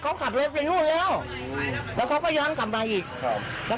เขาขับเลยเป็นนู้นแล้วอืมละเขาก็ย้อนกลับมาอีกครับแล้ว